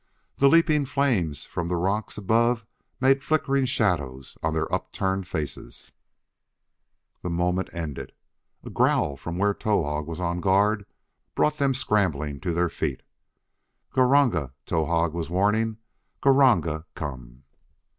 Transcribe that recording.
The leaping flames from the rocks above made flickering shadows on their upturned faces. The moment ended. A growl from where Towahg was on guard brought them scrambling to their feet. "Gr r ranga!" Towahg was warning. "Granga come!"